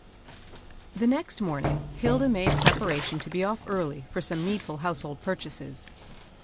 tfs^^HE next morning Hilda made preparation to be off early for some needftd household purchases.